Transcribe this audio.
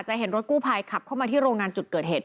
เห็นรถกู้ภัยขับเข้ามาที่โรงงานจุดเกิดเหตุ